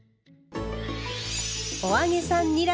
お揚げさんにら